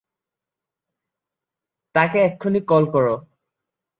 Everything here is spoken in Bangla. তাকে এক্ষুণি কল কর।